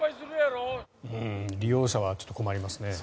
利用者はちょっと困りますね。